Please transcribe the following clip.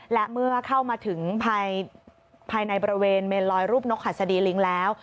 และเมื่อเข้ามาถึงภายในบริเวณเมนลอยรูปนกหัสดีลิงแล้ว